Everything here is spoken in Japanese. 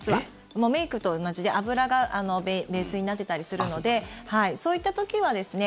もうメイクと同じで油がベースになってたりするのでそういった時はですね